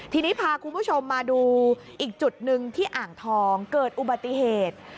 ทีนี้พาคุณผู้ชมมาดูอีกจุดหนึ่งที่อ่างทองเกิดอุบัติเหตุ